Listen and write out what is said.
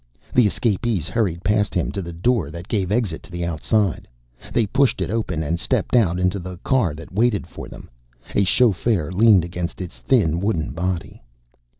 The escapees hurried past him to the door that gave exit to the outside. They pushed it open and stepped out into the car that waited for them. A chauffeur leaned against its thin wooden body.